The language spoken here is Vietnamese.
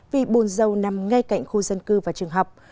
vì bồn dâu nằm ngay cạnh khu dân cư và trường học